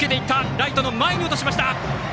ライトの前に落としました！